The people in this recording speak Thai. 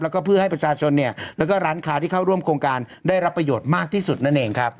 แล้วก็เพื่อให้ประชาชนเนี่ยแล้วก็ร้านค้าที่เข้าร่วมโครงการได้รับประโยชน์มากที่สุดนั่นเองครับ